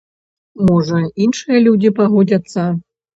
Можа, іншыя людзі пагодзяцца.